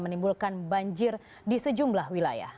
menimbulkan banjir di sejumlah wilayah